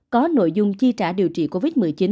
có nội dung chi trả điều trị covid một mươi chín